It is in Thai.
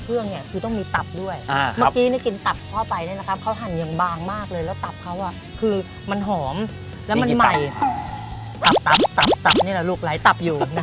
เครื่องเนี้ยคือต้มมีตับด้วยอ่าครับเมื่อกี้เนี้ยกินตับพ่อไปนี่นะครับเขาหั่นอย่างบางมากเลยแล้วตับเขาอ่ะคือมันหอมแล้วมันใหม่ตับตับตับตับ